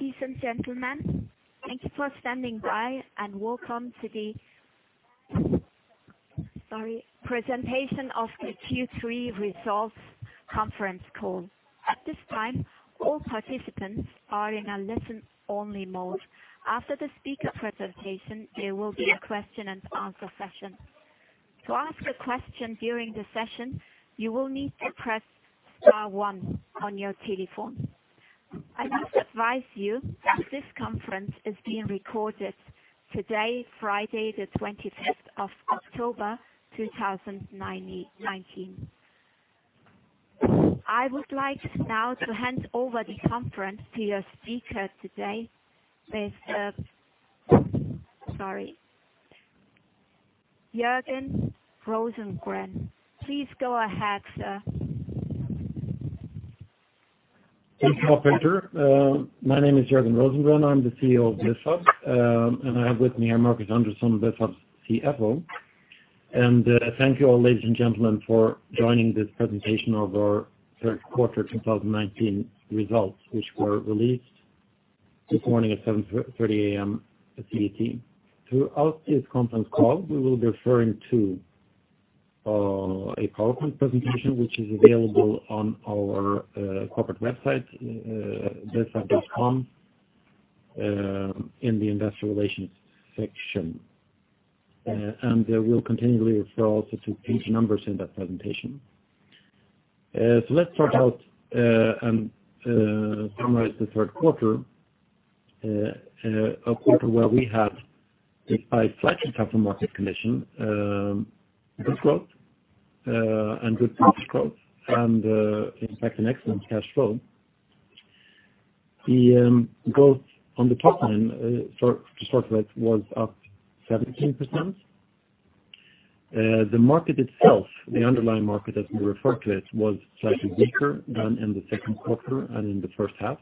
Ladies and gentlemen, thank you for standing by, and welcome to the, sorry, presentation of the Q3 Results Conference Call. At this time, all participants are in a listen-only mode. After the speaker presentation, there will be a question and answer session. To ask a question during the session, you will need to press star one on your telephone. I must advise you that this conference is being recorded today, Friday, the twenty-fifth of October, two thousand nineteen. I would like now to hand over the conference to your speaker today with, sorry, Jörgen Rosengren. Please go ahead, sir. Thank you, operator. My name is Jörgen Rosengren. I'm the CEO of Bufab, and I have with me here Marcus Andersson, Bufab's CFO. Thank you all, ladies and gentlemen, for joining this presentation of our third quarter 2019 results, which were released this morning at 7:30 A.M. CET. Throughout this conference call, we will be referring to a PowerPoint presentation, which is available on our corporate website, bufab.com, in the investor relations section. And we'll continually refer also to page numbers in that presentation. So let's talk about and summarize the third quarter. A quarter where we had, despite slightly tougher market condition, good growth and good growth, and in fact, an excellent cash flow. Growth on the top line, so to start with, was up 17%. The market itself, the underlying market, as we refer to it, was slightly weaker than in the second quarter and in the first half,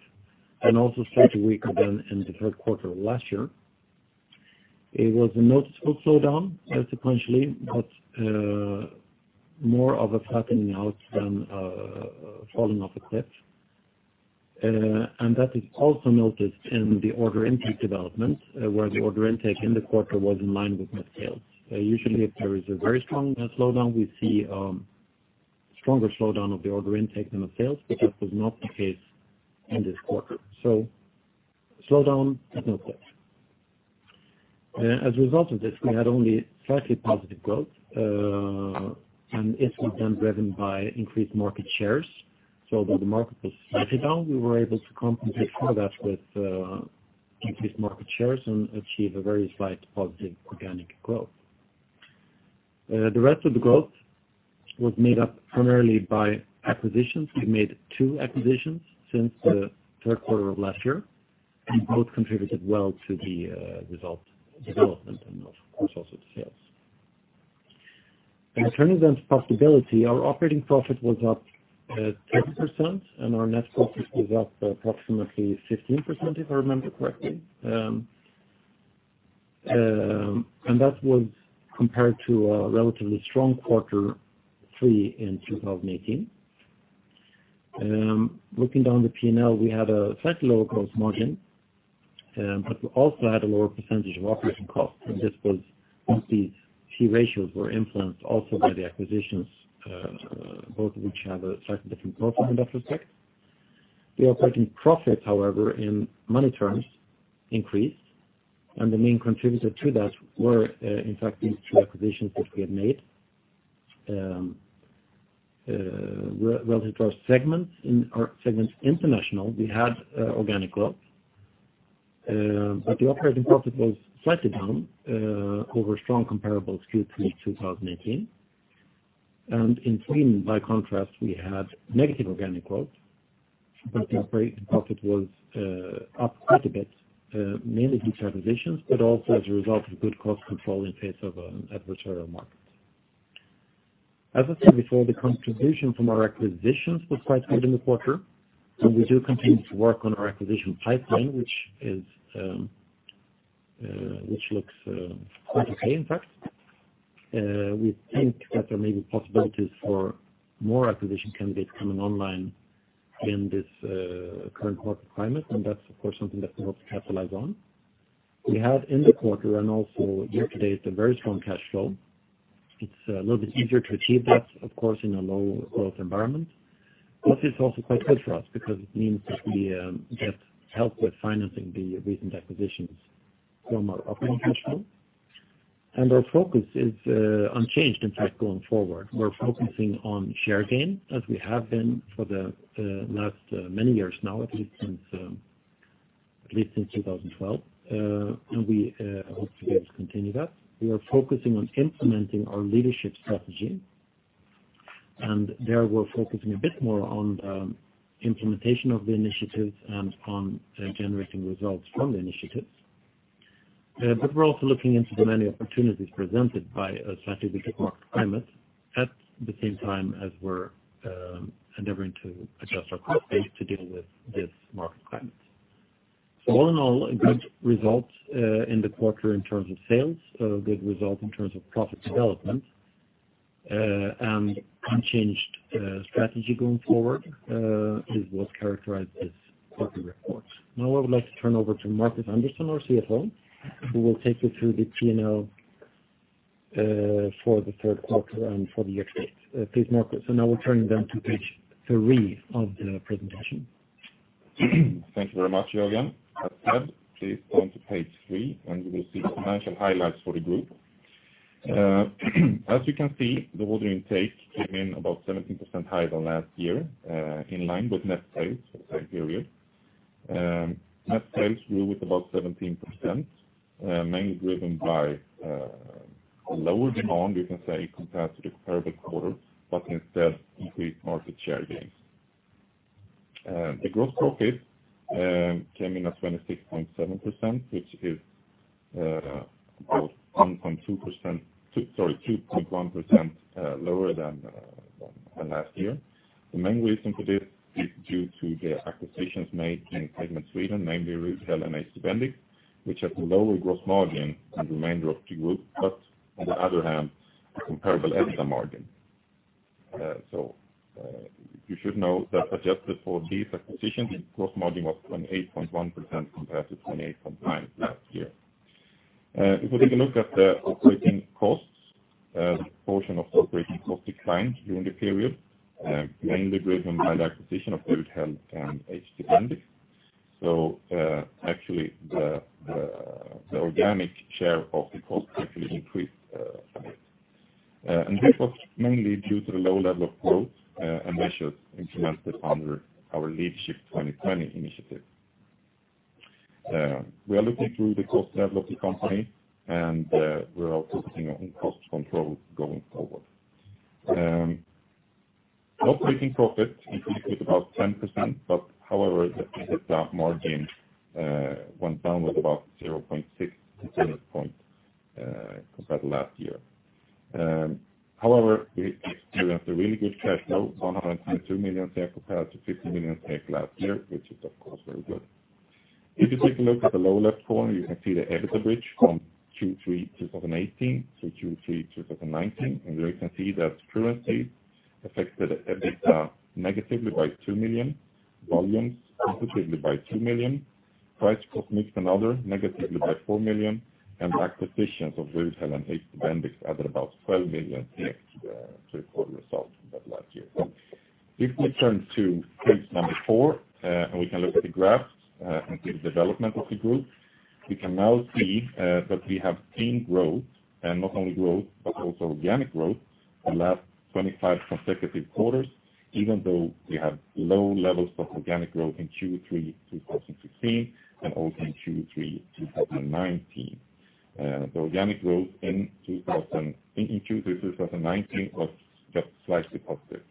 and also slightly weaker than in the third quarter of last year. It was a noticeable slowdown sequentially, but more of a flattening out than a falling off a cliff. That is also noticed in the order intake development, where the order intake in the quarter was in line with net sales. Usually, if there is a very strong slowdown, we see stronger slowdown of the order intake than the sales, but that was not the case in this quarter. So slowdown is noticed. As a result of this, we had only slightly positive growth, and it's been driven by increased market shares, so that the market was slightly down. We were able to compensate for that with increased market shares and achieve a very slight positive organic growth. The rest of the growth was made up primarily by acquisitions. We made 2 acquisitions since the third quarter of last year, and both contributed well to the result development and of course, also the sales. And turning then to profitability, our operating profit was up 30%, and our net profit was up approximately 15%, if I remember correctly. And that was compared to a relatively strong quarter three in 2018. Looking down the P&L, we had a slightly lower gross margin, but we also had a lower percentage of operating costs, and this was, these key ratios were influenced also by the acquisitions, both of which have a slightly different profile in that respect. The operating profit, however, in money terms, increased, and the main contributor to that were, in fact, these two acquisitions that we had made. Relative to our segments, in our Segment International we had organic growth, but the operating profit was slightly down, over strong comparables, Q3 2018. In Sweden, by contrast, we had negative organic growth, but the operating profit was up quite a bit, mainly due to acquisitions, but also as a result of good cost control in face of an adversarial market. As I said before, the contribution from our acquisitions was quite good in the quarter, and we do continue to work on our acquisition pipeline, which looks quite okay in fact. We think that there may be possibilities for more acquisition candidates coming online in this current market climate, and that's of course something that we hope to capitalize on. We have in the quarter and also year to date a very strong cash flow. It's a little bit easier to achieve that, of course, in a low growth environment. But it's also quite good for us because it means that we get help with financing the recent acquisitions from our operating cash flow. And our focus is unchanged, in fact, going forward. We're focusing on share gain, as we have been for the last many years now, at least since at least since 2012. We hope to be able to continue that. We are focusing on implementing our leadership strategy, and there we're focusing a bit more on the implementation of the initiatives and on generating results from the initiatives. But we're also looking into the many opportunities presented by a slightly different market climate, at the same time as we're endeavoring to adjust our cost base to deal with this market climate. So all in all, a good result in the quarter in terms of sales, a good result in terms of profit development. Unchanged strategy going forward is what's characterized this quarterly report. Now I would like to turn over to Marcus Andersson, our CFO, who will take you through the P&L for the third quarter and for the year. Please, Marcus. So now we're turning then to page 3 of the presentation. Thank you very much, Jörgen. As said, please go to page 3, and you will see the financial highlights for the group. As you can see, the order intake came in about 17% higher than last year, in line with net sales for the same period. Net sales grew with about 17%, mainly driven by lower demand, you can say, compared to the comparable quarter, but instead, increased market share gains. The gross profit came in at 26.7%, which is about 1.2%, two—sorry, 2.1%, lower than last year. The main reason for this is due to the acquisitions made in Segment Sweden, namely Rudhäll and HT Bendix, which have lower gross margin than the remainder of the group, but on the other hand, a comparable EBITDA margin. So, you should know that adjusted for these acquisitions, the gross margin was 28.1% compared to 28.9% last year. If we take a look at the operating costs, portion of the operating costs declined during the period, mainly driven by the acquisition of Rudhäll and HT Bendix. So, actually, the organic share of the cost actually increased, and this was mainly due to the low level of growth, and measures implemented under our Leadership 2020 initiative. We are looking through the cost level of the company, and we are focusing on cost control going forward. Operating profit increased with about 10%, but however, the EBITDA margin went down with about 0.6 percentage points, compared to last year. However, we still have a really good cash flow, 102 million, compared to 50 million last year, which is, of course, very good. If you take a look at the lower left corner, you can see the EBITDA bridge from Q3 2018 to Q3 2019, and you can see that currency affected EBITDA negatively by 2 million, volumes positively by 2 million, price, cost mix and other, negatively by 4 million, and acquisitions of Rudhäll and HT Bendix added about 12 million to the quarter results than last year. If we turn to page number 4, and we can look at the graphs, and see the development of the group, we can now see that we have seen growth, and not only growth, but also organic growth, the last 25 consecutive quarters, even though we have low levels of organic growth in Q3 2016, and also in Q3 2019. The organic growth in Q3 2019 was just slightly positive.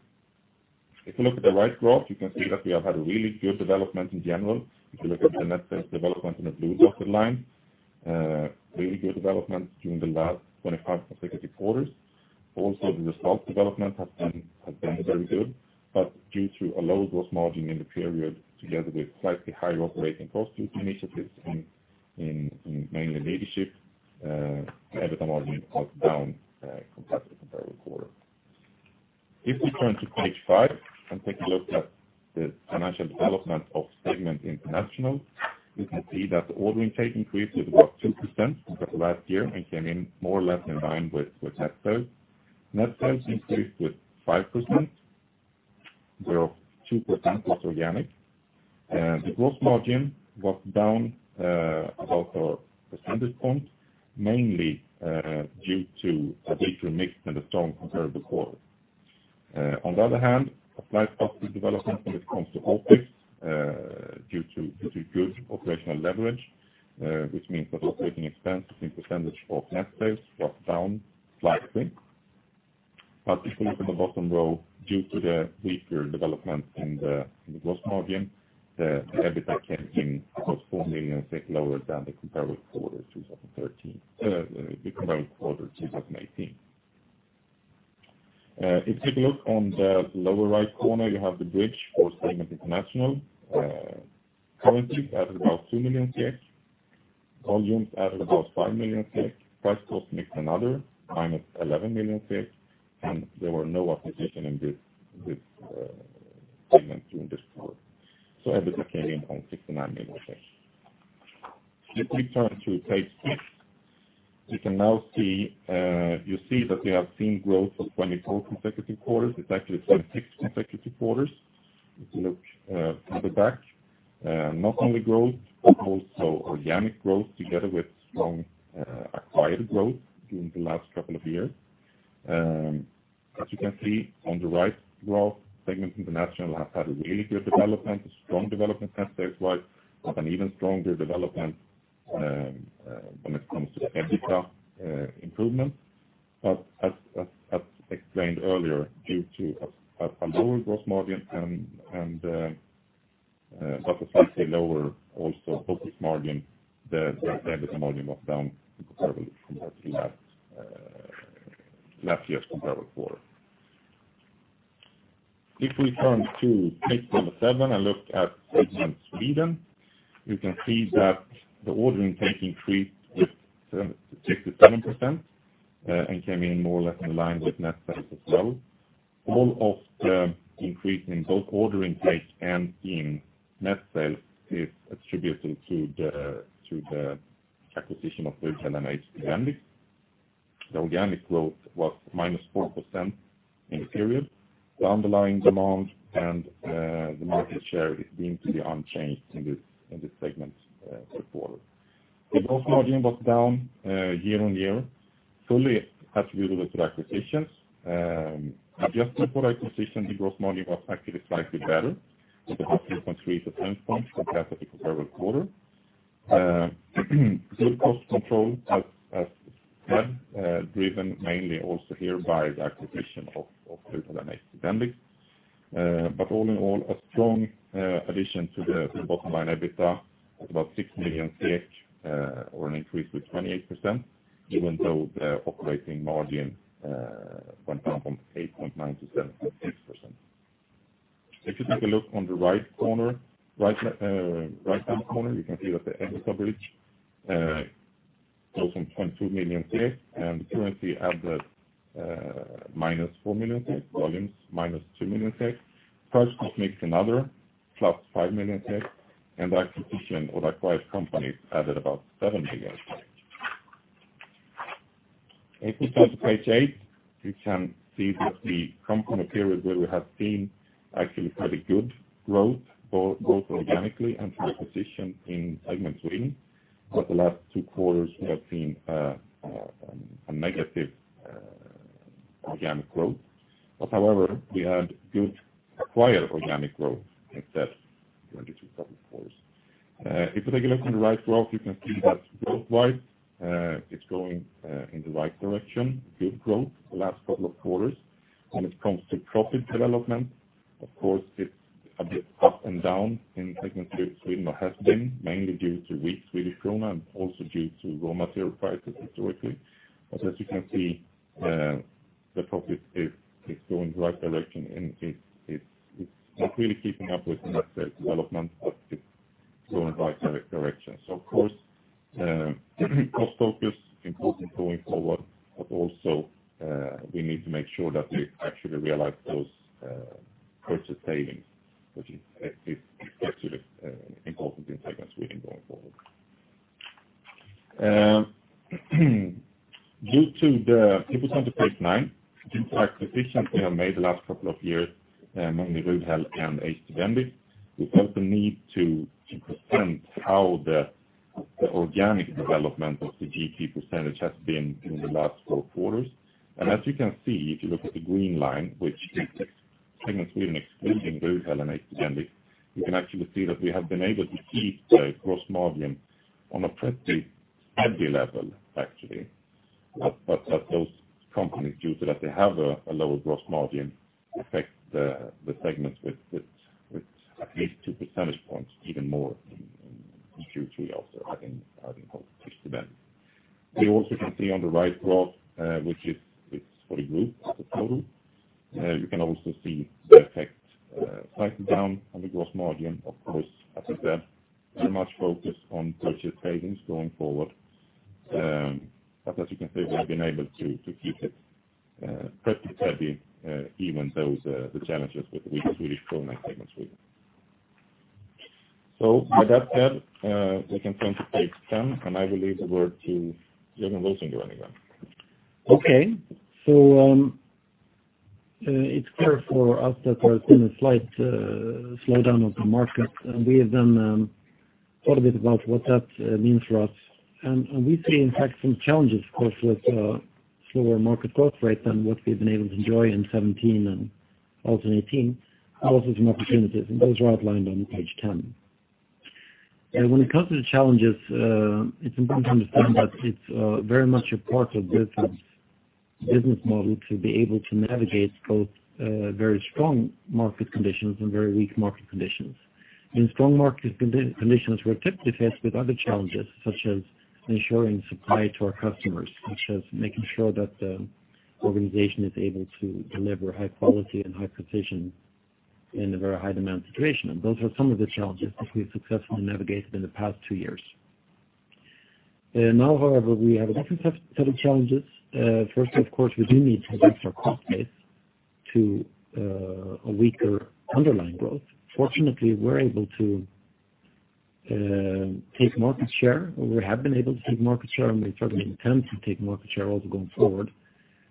If you look at the right graph, you can see that we have had a really good development in general. If you look at the net sales development in the blue dotted line, really good development during the last 25 consecutive quarters. Also, the result development has been very good, but due to a low gross margin in the period, together with slightly higher operating cost initiatives in mainly leadership, EBITDA margin was down, compared to the comparable quarter. If we turn to page 5 and take a look at the financial development of Segment International, you can see that the order intake increased with about 2% compared to last year, and came in more or less in line with net sales. Net sales increased with 5%, where 2% was organic. The gross margin was down about a percentage point, mainly due to a mix and a strong comparable quarter. On the other hand, a nice positive development when it comes to OpEx, due to good operational leverage, which means that operating expenses in percentage of net sales was down slightly. But if you look at the bottom row, due to the weaker development in the gross margin, the EBITDA came in about 4 million lower than the comparable quarter, 2018. If you take a look on the lower right corner, you have the bridge for Segment International. Currency added about 2 million. Volumes added about 5 million. Price, cost mix and other, -11 million, and there were no acquisition in this segment during this quarter. So EBITDA came in on 69 million. If we turn to page 6, you can now see, you see that we have seen growth for 24 consecutive quarters. It's actually 26 consecutive quarters, if you look, further back. Not only growth, but also organic growth together with strong, acquired growth during the last couple of years. As you can see on the right graph, Segment International has had a really good development, a strong development net sales wide, but an even stronger development, when it comes to EBITDA, improvement. But as explained earlier, due to a lower gross margin and, also slightly lower also, the EBITDA margin was down comparably compared to last, last year's comparable quarter. If we turn to page 7 and look at Segment Sweden, you can see that the ordering sales increased with 6%-7%, and came in more or less in line with net sales as well. All of the increase in both ordering sales and in net sales is attributed to the acquisition of Rudhäll and HT Bendix. The organic growth was -4% in the period. The underlying demand and the market share is deemed to be unchanged in this segment, fourth quarter. The gross margin was down year-on-year, fully attributable to the acquisitions. Adjusted for acquisitions, the gross margin was actually slightly better, with 0.3 percentage points compared to the previous quarter. Good cost control as planned, driven mainly also here by the acquisition of Rudhäll and HT Bendix. But all in all, a strong addition to the bottom line EBITDA of about 6 million, or an increase with 28%, even though the operating margin went down from 8.9% to 7.6%. If you take a look on the right corner, right, right-hand corner, you can see that the EBITDA bridge goes from 22 million, and currency added -4 million, volumes -2 million. Price, mix, and other +5 million, and acquisition or acquired companies added about 7 million. If we turn to page 8, you can see that we come from a period where we have seen actually pretty good growth, both, both organically and through acquisition in Segment Sweden. But the last 2 quarters, we have seen a negative organic growth. But however, we had good acquired organic growth in those 22 quarters. If you take a look on the right growth, you can see that growth-wide, it's going in the right direction, good growth the last couple of quarters. When it comes to profit development, of course, it's a bit up and down, and Segment Sweden has been mainly due to weak Swedish krona and also due to raw material prices historically. But as you can see, the profit is going the right direction, and it's not really keeping up with the net sales development, but it's going the right direction. So of course, cost focus important going forward, but also, we need to make sure that we actually realize those purchase savings, which is actually important in Segment Sweden going forward. If you turn to page nine, the acquisitions we have made the last couple of years, mainly Rudhäll and HT Bendix, we felt the need to present how the organic development of the GP percentage has been in the last four quarters. And as you can see, if you look at the green line, which is Segment Sweden, excluding Rudhäll and HT Bendix, you can actually see that we have been able to keep the gross margin on a pretty steady level, actually. But as those companies, due to that they have a lower gross margin, affect the segments with at least two percentage points, even more in Q3 also, I think. You also can see on the right graph, which is for the group as a total, you can also see the effect, slightly down on the gross margin, of course, as I said, very much focused on purchase savings going forward. But as you can see, we've been able to keep it pretty steady, even those the challenges with the weak Swedish krona in Segment Sweden. With that said, we can turn to page 10, and I will leave the word to Jörgen Rosengren to run again. Okay. So, it's clear for us that there's been a slight slowdown of the market, and we have thought a bit about what that means for us. And we see, in fact, some challenges, of course, with slower market growth rate than what we've been able to enjoy in 2017 and also in 2018, also some opportunities, and those are outlined on page 10. When it comes to the challenges, it's important to understand that it's very much a part of this business model to be able to navigate both very strong market conditions and very weak market conditions. In strong market conditions, we're typically faced with other challenges, such as ensuring supply to our customers, such as making sure that the organization is able to deliver high quality and high precision in a very high-demand situation. Those are some of the challenges which we've successfully navigated in the past two years. Now, however, we have a different set of challenges. Firstly, of course, we do need to adapt our cost base to a weaker underlying growth. Fortunately, we're able to take market share, or we have been able to take market share, and we certainly intend to take market share also going forward,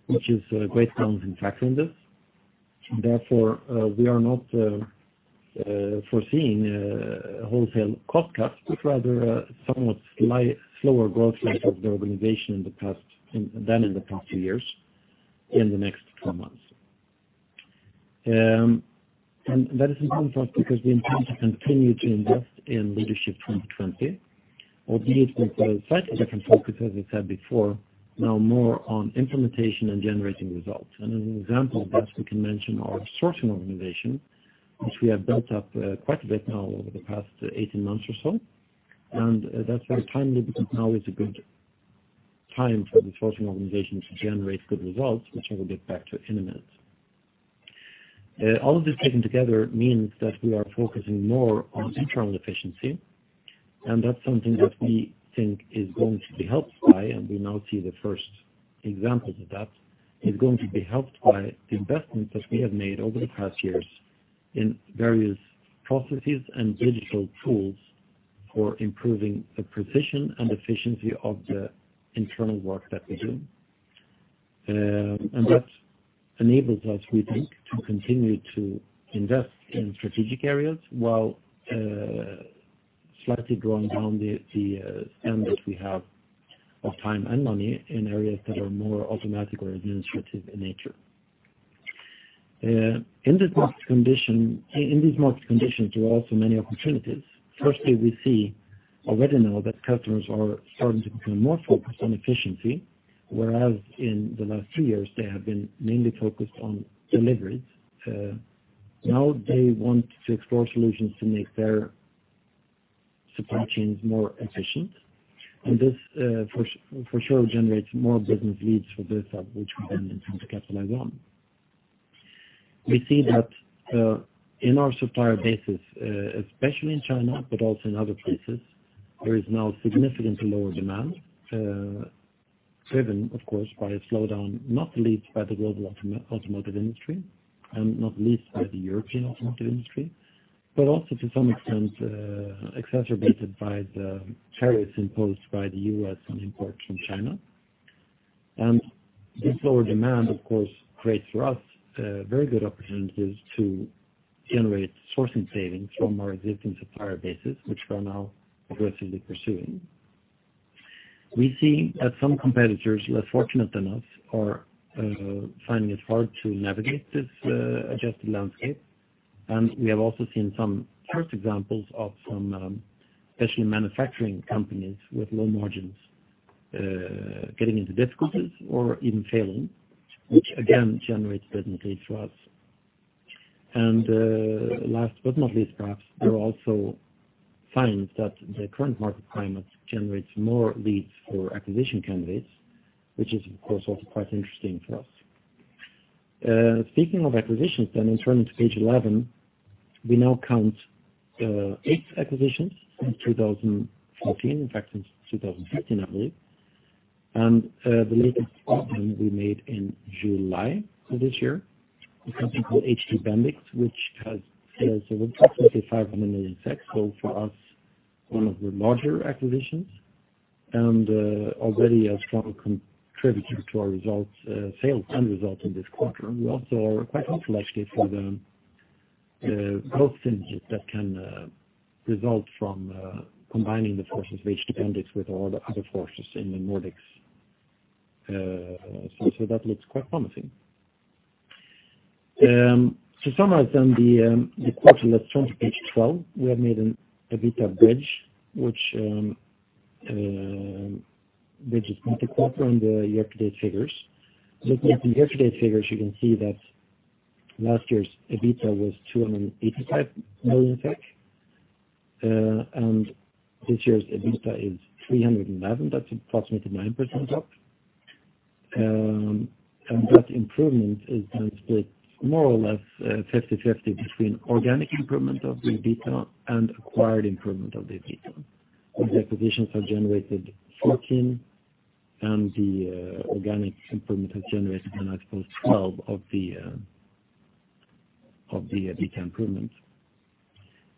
which is a great challenge in tackling this. Therefore, we are not foreseeing wholesale cost cuts, but rather, somewhat slight slower growth rate of the organization in the past, than in the past few years, in the next 12 months. And that is important for us, because we intend to continue to invest in Leadership 2020, albeit with a slightly different focus, as I said before, now more on implementation and generating results. And as an example of that, we can mention our sourcing organization, which we have built up quite a bit now over the past 18 months or so. And, that's very timely, because now is a good time for the sourcing organization to generate good results, which I will get back to in a minute. All of this taken together means that we are focusing more on internal efficiency, and that's something that we think is going to be helped by, and we now see the first examples of that, is going to be helped by the investments that we have made over the past years in various processes and digital tools for improving the precision and efficiency of the internal work that we do. And that enables us, we think, to continue to invest in strategic areas while slightly drawing down the spend that we have of time and money in areas that are more automatic or administrative in nature. In this market condition, in these market conditions, there are also many opportunities. Firstly, we see already now that customers are starting to become more focused on efficiency, whereas in the last three years they have been mainly focused on deliveries. Now they want to explore solutions to make their supply chains more efficient, and this, for sure generates more business leads for Bufab, which we then intend to capitalize on. We see that, in our supplier bases, especially in China, but also in other places, there is now significantly lower demand, driven, of course, by a slowdown, not least by the global automotive industry, and not least by the European automotive industry, but also to some extent, exacerbated by the tariffs imposed by the U.S. on imports from China. This lower demand, of course, creates for us very good opportunities to generate sourcing savings from our existing supplier bases, which we are now aggressively pursuing. We see that some competitors, less fortunate than us, are finding it hard to navigate this adjusted landscape. We have also seen some first examples of some especially manufacturing companies with low margins getting into difficulties or even failing, which again, generates business leads for us. Last but not least, perhaps, we also find that the current market climate generates more leads for acquisition candidates, which is, of course, also quite interesting for us. Speaking of acquisitions, then and turning to page 11, we now count 8 acquisitions since 2014, in fact, since 2015, I believe. The latest one we made in July of this year, a company called HT Bendix, which has roughly 500 million. So for us, one of the larger acquisitions and already a strong contributor to our results, sales and results in this quarter. We also are quite hopeful, actually, for the growth synergies that can result from combining the forces of HT Bendix with all the other forces in the Nordics. So that looks quite promising. To summarize then, the quarter, let's turn to page 12. We have made an EBITDA bridge, which bridge is not required on the year-to-date figures. Looking at the year-to-date figures, you can see that last year's EBITDA was 285 million SEK, and this year's EBITDA is 311 million. That's approximately 9% up. And that improvement is then split more or less 50/50 between organic improvement of the EBITDA and acquired improvement of the EBITDA, where the acquisitions have generated 14 and the organic improvement has generated, I suppose, 12 of the EBITDA improvements.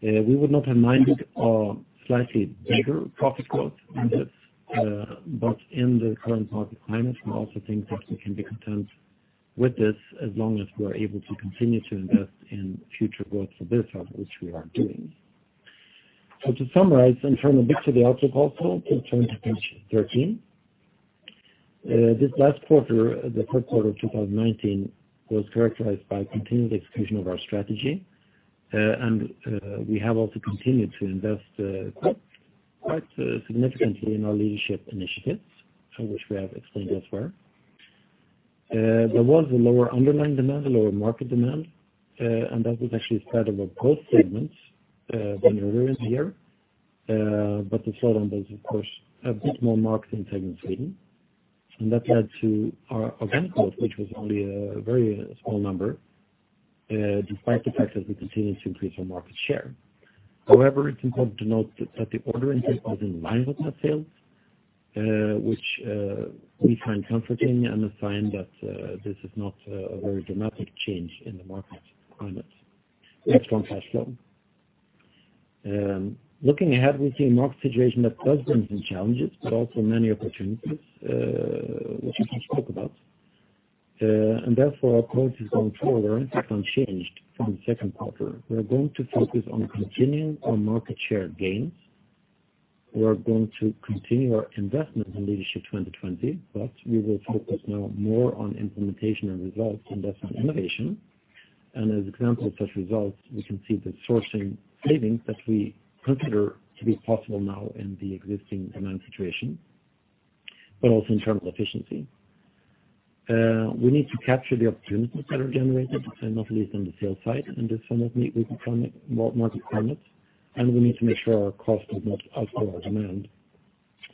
We would not have minded a slightly bigger profit growth in this, but in the current market climate, we also think that we can be content with this as long as we are able to continue to invest in future growth for Bufab, which we are doing. So to summarize, and turning back to the outlook also, let's turn to page 13. This last quarter, the third quarter of 2019, was characterized by continued execution of our strategy. And we have also continued to invest quite significantly in our leadership initiatives, which we have explained elsewhere. There was a lower underlying demand, a lower market demand, and that was actually spread over both segments during the year, but the slowdown was, of course, a bit more marked in Sweden. And that led to our organic growth, which was only a very small number, despite the fact that we continued to increase our market share. However, it's important to note that the order intake was in line with net sales, which we find comforting and a sign that this is not a very dramatic change in the market climate, at least from cash flow. Looking ahead, we see a market situation that does bring some challenges, but also many opportunities, which we can talk about. And therefore our approach is going forward, unchanged from the second quarter. We are going to focus on continuing our market share gains. We are going to continue our investment in Leadership 2020, but we will focus now more on implementation and results, and less on innovation. And as examples of such results, we can see the sourcing savings that we consider to be possible now in the existing demand situation, but also in terms of efficiency. We need to capture the opportunities that are generated, and not least on the sales side, and this somewhat meet with the market climate. And we need to make sure our cost does not outgrow our demand.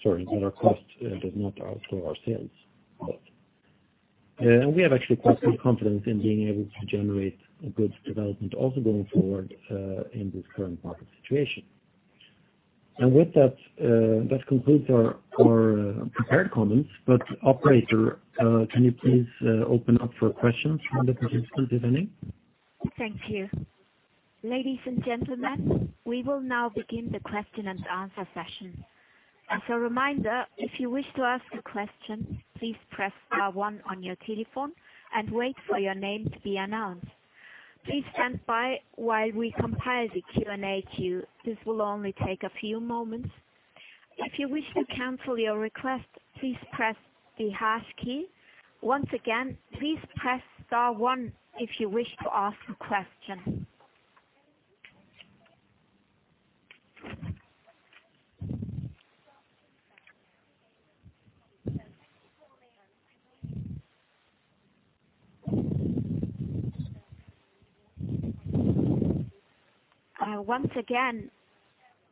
Sorry that our cost does not outgrow our sales. And we have actually quite good confidence in being able to generate a good development also going forward in this current market situation. And with that, that concludes our prepared comments. But operator, can you please open up for questions from the participants this evening? Thank you. Ladies and gentlemen, we will now begin the question and answer session. As a reminder, if you wish to ask a question, please press star one on your telephone and wait for your name to be announced. Please stand by while we compile the Q&A queue. This will only take a few moments. If you wish to cancel your request, please press the hash key. Once again, please press star one if you wish to ask a question. Once again,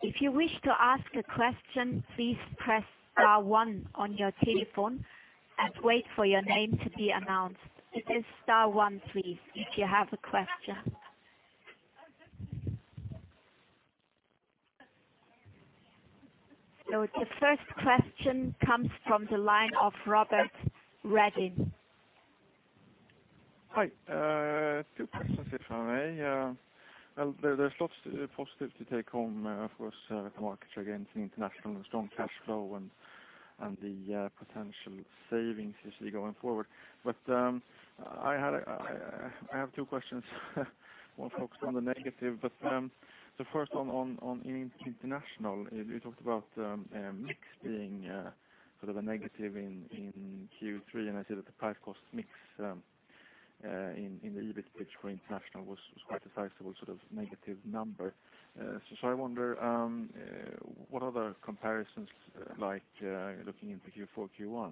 if you wish to ask a question, please press star one on your telephone and wait for your name to be announced. It is star one, please, if you have a question. So the first question comes from the line of Robert Redin. Hi. Two questions, if I may. Well, there's lots of positive to take home. Of course, the margin in International and strong cash flow and the potential savings you see going forward. But I have two questions. One focused on the negative, but the first one on International. You talked about mix being sort of a negative in Q3, and I see that the price cost mix in the EBIT bridge for International was quite a sizable sort of negative number. So I wonder what are the comparisons like looking into Q4, Q1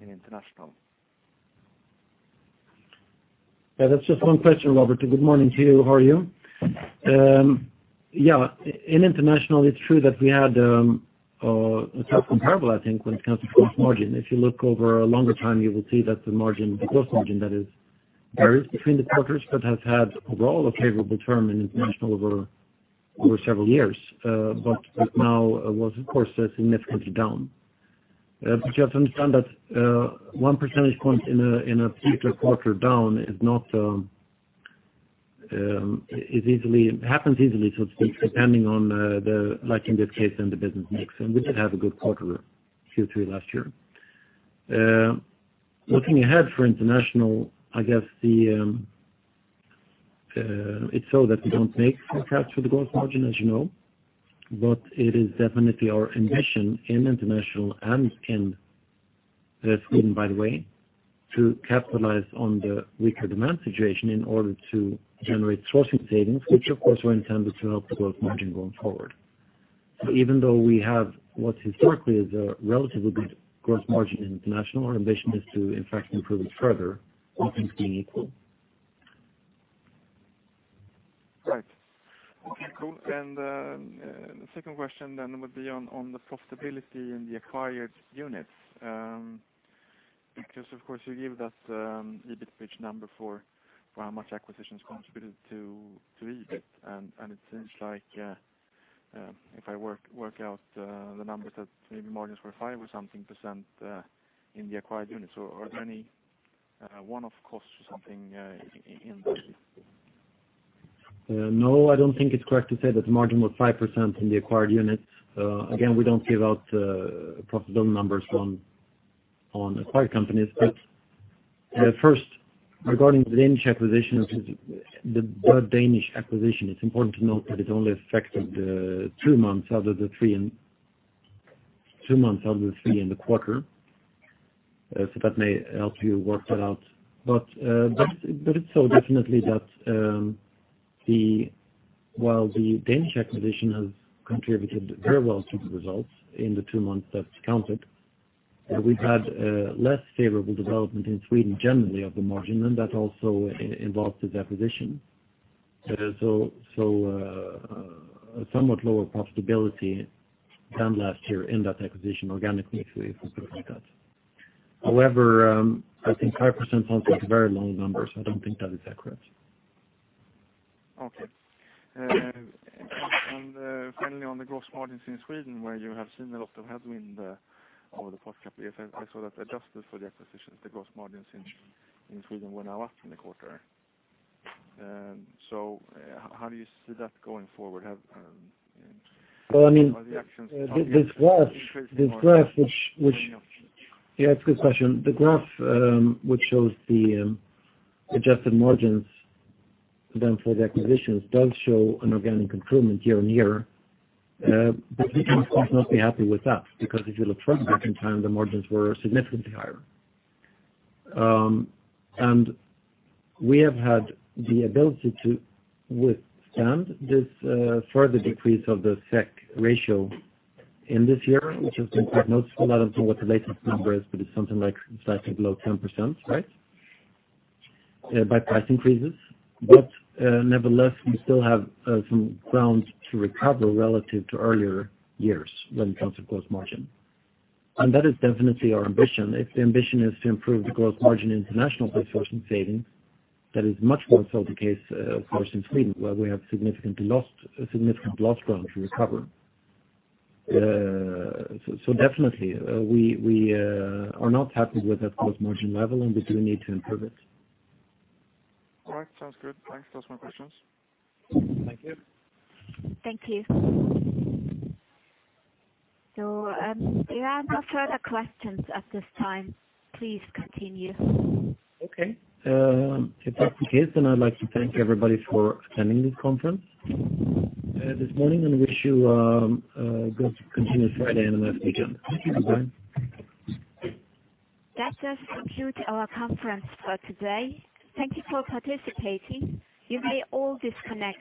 in International? Yeah, that's just one question, Robert. Good morning to you. How are you? Yeah, in International, it's true that we had a tough comparable, I think, when it comes to gross margin. If you look over a longer time, you will see that the margin, the gross margin that is, varies between the quarters, but has had overall a favorable term in International over several years. But now was, of course, significantly down. But you have to understand that, one percentage point in a quarter down is not it easily happens easily, so to speak, depending on the like in this case, and the business mix, and we did have a good quarter Q3 last year. Looking ahead for International, I guess the, it's so that we don't make forecasts for the gross margin, as you know, but it is definitely our ambition in International and in, Sweden, by the way, to capitalize on the weaker demand situation in order to generate sourcing savings, which of course are intended to help the gross margin going forward. So even though we have what historically is a relatively good gross margin in International, our ambition is to, in fact, improve it further, all things being equal. Right. Okay, cool. And the second question then would be on the profitability in the acquired units. Because, of course, you give us EBIT bridge number for how much acquisitions contributed to EBIT. And it seems like if I work out the numbers that maybe margins were 5% or something in the acquired units, or are there any one-off costs or something in those? No, I don't think it's correct to say that the margin was 5% in the acquired units. Again, we don't give out profitability numbers on acquired companies. But first, regarding the Danish acquisition, it's important to note that it only affected two months out of the three in the quarter. So that may help you work that out. But it's so definitely that the While the Danish acquisition has contributed very well to the results in the two months that's counted, we've had less favorable development in Sweden, generally, of the margin, and that also involves the acquisition. So somewhat lower profitability than last year in that acquisition, organically, if we look like that. However, I think 5% sounds like a very low number, so I don't think that is accurate. Okay. And, finally, on the gross margins in Sweden, where you have seen a lot of headwind, over the past couple of years, I saw that adjusted for the acquisitions, the gross margins in Sweden were now up in the quarter. So, how do you see that going forward? Have Well, I mean- Are the actions- This graph, which... Yeah, it's a good question. The graph, which shows the adjusted margins then for the acquisitions, does show an organic improvement year-over-year. But we can of course not be happy with that, because if you look further back in time, the margins were significantly higher. And we have had the ability to withstand this further decrease of the SEK ratio in this year, which has been quite noticeable. I don't know what the latest number is, but it's something like slightly below 10%, right? By price increases. But nevertheless, we still have some grounds to recover relative to earlier years when it comes to gross margin. And that is definitely our ambition. If the ambition is to improve the gross margin in international sourcing savings, that is much more so the case for us in Sweden, where we have significantly lost ground to recover. So definitely, we are not happy with that gross margin level, and we do need to improve it. All right. Sounds good. Thanks. That's my questions. Thank you. Thank you. There are no further questions at this time. Please continue. Okay. If that's the case, then I'd like to thank everybody for attending this conference this morning, and wish you a good continuous Friday and a nice weekend. Thank you, bye. That does conclude our conference for today. Thank you for participating. You may all disconnect.